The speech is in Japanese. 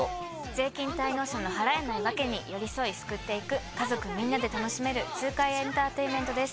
税金滞納者の払えないワケに寄り添い救っていく家族みんなで楽しめる痛快エンターテインメントです。